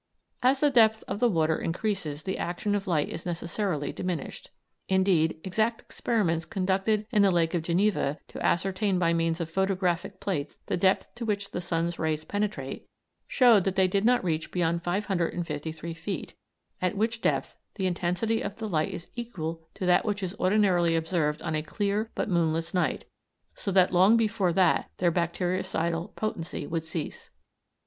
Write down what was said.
As the depth of the water increases the action of light is necessarily diminished. Indeed, exact experiments conducted in the Lake of Geneva to ascertain by means of photographic plates the depth to which the sun's rays penetrate showed that they did not reach beyond five hundred and fifty three feet, at which depth the intensity of the light is equal to that which is ordinarily observed on a clear but moonless night, so that long before that their bactericidal potency would cease.